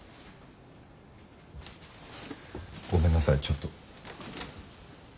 ごめんなさいちょっと。